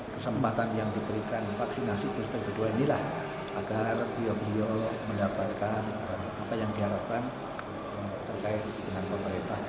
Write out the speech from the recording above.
kesempatan yang diberikan vaksinasi booster kedua inilah agar beliau beliau mendapatkan apa yang diharapkan terkait dengan pemerintah